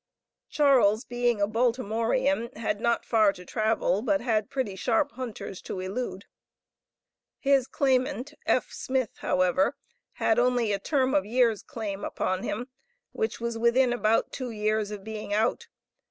Charles, being a Baltimorean, had not far to travel, but had pretty sharp hunters to elude. His claimant, F. Smith, however, had only a term of years claim upon him, which was within about two years of being out.